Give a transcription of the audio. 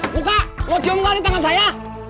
buka kamu cium kembali tangan saya